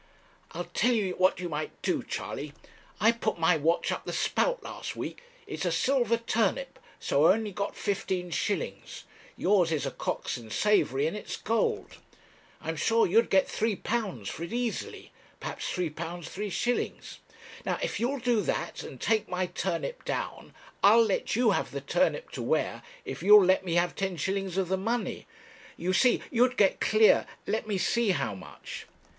'I'll tell you what you might do, Charley. I put my watch up the spout last week. It's a silver turnip, so I only got fifteen shillings; yours is a Cox and Savary, and it's gold. I'm sure you'd get £3 for it easily perhaps £3 3s. Now, if you'll do that, and take my turnip down, I'll let you have the turnip to wear, if you'll let me have ten shillings of the money. You see, you'd get clear let me see how much.'